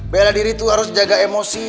bela diri itu harus jaga emosi